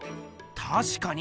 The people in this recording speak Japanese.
たしかに！